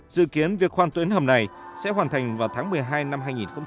dự kiến việc khoan tuyến hầm này sẽ hoàn thành vào tháng một mươi hai năm hai nghìn hai mươi